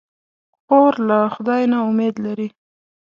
خور له خدای نه امید لري.